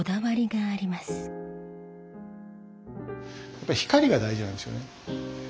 やっぱり光が大事なんですよね。